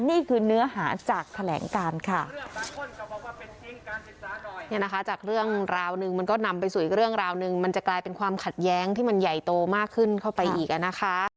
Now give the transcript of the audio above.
นี่คือเนื้อหาจากแผลงการค่ะ